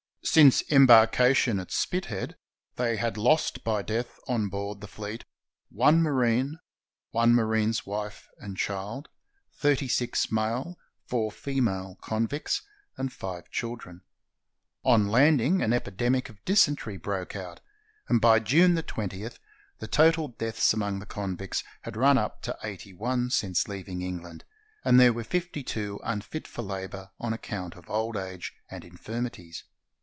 Since embarkation at Spithead they had lost by death on board the fleet one marine, one marine's wife and child, thirty six male, four female con\dcts, and five children. On landing, an epidemic of dysentery broke out, and by June 20 the 481 ISLANDS OF THE PACIFIC total deaths among the convicts had run up to eighty one since leaving England, and there were fifty two unfit for labor on account of old age and infirmities.